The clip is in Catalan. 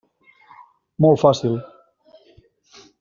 Molt fàcil.